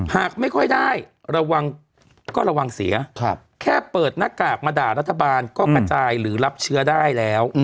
หากไม่ค่อยได้ระวังก็ระวังเสียแค่เปิดหน้ากากมาด่ารัฐบาลก็กระจายหรือรับเชื้อได้แล้ว